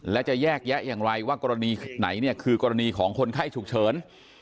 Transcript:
และจะแยกแยะอย่างไรว่ากรณีไหนเนี่ยคือกรณีของคนไข้ฉุกเฉิน